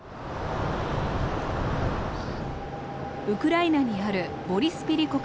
ウクライナにあるボリスピリ